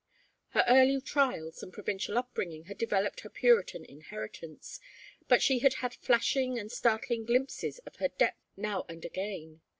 Her early trials and provincial upbringing had developed her Puritan inheritance, but she had had flashing and startling glimpses of her depths now and again.